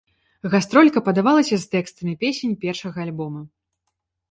Гастролька падавалася з тэкстамі песень першага альбома.